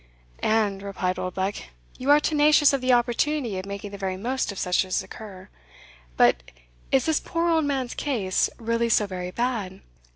"And," replied Oldbuck, "you are tenacious of the opportunity of making the very most of such as occur. But is this poor old man's case really so very bad?"